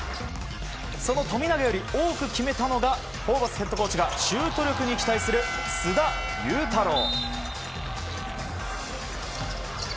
その富永より多く決めたのがホーバスヘッドコーチがシュート力に期待する須田侑太郎。